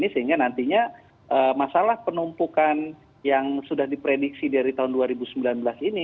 sehingga nantinya masalah penumpukan yang sudah diprediksi dari tahun dua ribu sembilan belas ini